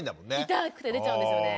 痛くて出ちゃうんですよね。